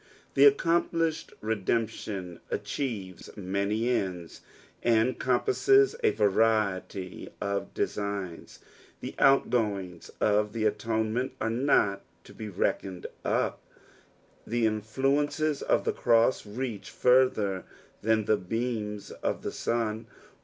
The accomplished redemption achieves miiay ends, and compasses a variety of designs ; the outgoings of thn atonement are not to be reckoned up, the influences of the cross reach further than the beams of tha sun.